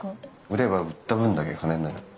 売れば売った分だけ金になる。